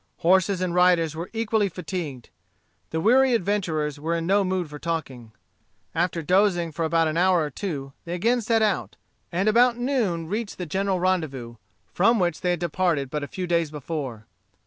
Horses and riders were equally fatigued. The weary adventurers were in no mood for talking. After dozing for an hour or two, they again set out, and about noon reached the general rendezvous, from which they had departed but a few days before.